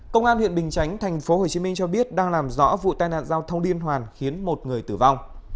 công an huyện bình chánh tp hcm cho biết đang làm rõ vụ tai nạn giao thông điên hoàn khiến một người tử vong